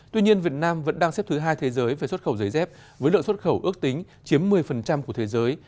tuy nhiên việt nam vẫn đang xếp thứ hai thế giới về xuất khẩu giấy dép với lượng xuất khẩu ước tính chiếm một mươi của thế giới